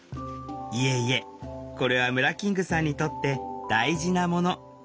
いえいえこれはムラキングさんにとって大事なもの。